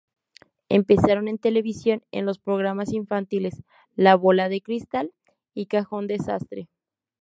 Empezaron en televisión en los programas infantiles "La bola de cristal" y "Cajón desastre".